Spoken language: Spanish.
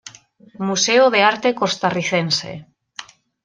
Museo de Arte Costarricense.